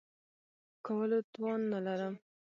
کولو توان نه لرم .